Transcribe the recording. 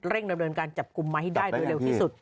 ดำเนินการจับกลุ่มมาให้ได้โดยเร็วที่สุด